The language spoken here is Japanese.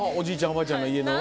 おばあちゃんの家の？